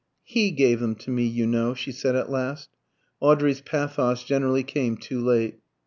"He gave them to me, you know," she said at last. Audrey's pathos generally came too late.